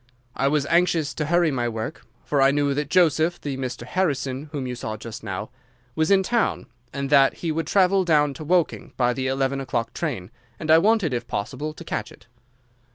I was anxious to hurry my work, for I knew that Joseph—the Mr. Harrison whom you saw just now—was in town, and that he would travel down to Woking by the eleven o'clock train, and I wanted if possible to catch it.